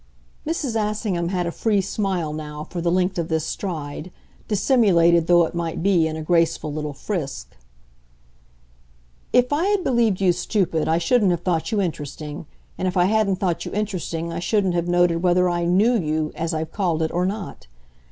Mrs. Assingham had a free smile, now, for the length of this stride, dissimulated though it might be in a graceful little frisk. "If I had believed you stupid I shouldn't have thought you interesting, and if I hadn't thought you interesting I shouldn't have noted whether I 'knew' you, as I've called it, or not.